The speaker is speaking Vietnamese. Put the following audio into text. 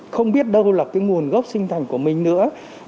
không biết đâu là cái nguồn gốc sinh thành của mình nữa